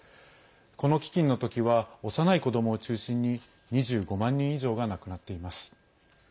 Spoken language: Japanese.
この飢きんの時は幼い子どもを中心に２５万人以上が亡くなっています。